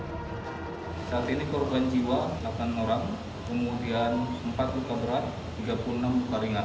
saat ini korban jiwa delapan orang kemudian empat luka berat tiga puluh enam luka ringan